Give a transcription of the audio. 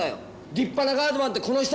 立派なガードマンってこの人！